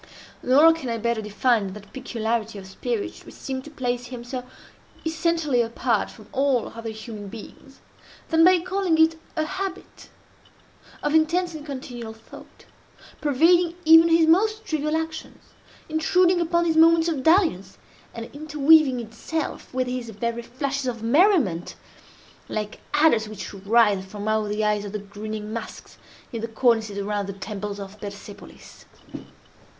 Nor can I better define that peculiarity of spirit which seemed to place him so essentially apart from all other human beings, than by calling it a habit of intense and continual thought, pervading even his most trivial actions—intruding upon his moments of dalliance—and interweaving itself with his very flashes of merriment—like adders which writhe from out the eyes of the grinning masks in the cornices around the temples of Persepolis.